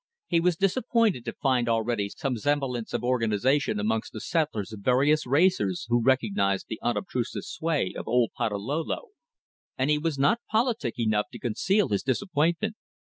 He was disappointed to find already some semblance of organization amongst the settlers of various races who recognized the unobtrusive sway of old Patalolo, and he was not politic enough to conceal his disappointment.